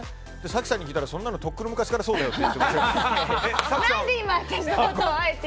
早紀さんに聞いたらそんなのとっくの昔からそうだよって言われて。